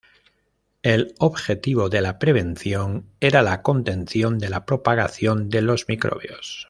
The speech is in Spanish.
El objetivo de la prevención era la contención de la propagación de los microbios.